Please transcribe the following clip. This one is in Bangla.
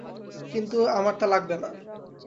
কিন্তু আমার তা লাগবে না।